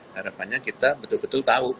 harapannya kita betul betul tahu